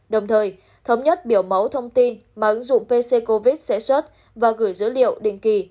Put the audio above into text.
đồng thời thống nhất biểu mẫu thông tin mà ứng dụng pc covid sẽ xuất và gửi dữ liệu định kỳ